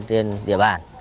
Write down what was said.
trên địa bàn